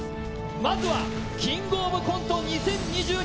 まずは「キングオブコント２０２２」